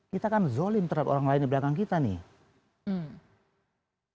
kita kan zolim terhadap orang lain di belakang kita nih